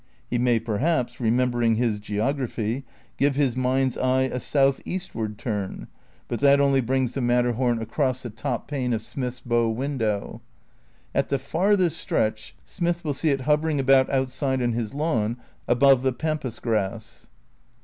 He may, per haps, remembering his geography, give his mind's eye a south eastward turn ; but that only brings the Matter 48 THE NEW IDEALISM n horn across the top pane of Smith's how window; at the farthest stretch Smith will see it hovering about outside on his lawn above the pampas grass.